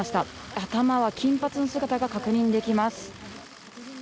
頭は金髪の姿が確認できます。